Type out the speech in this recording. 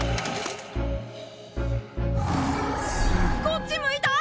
こっち向いた！？